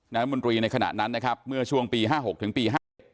รัฐมนตรีในขณะนั้นนะครับเมื่อช่วงปี๕๖ถึงปี๕๗